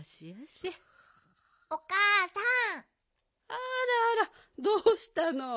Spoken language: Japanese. あらあらどうしたの？